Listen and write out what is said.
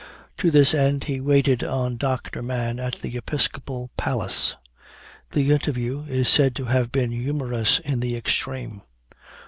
To this end he waited on Doctor Mann at the episcopal palace. The interview is said to have been humorous in the extreme.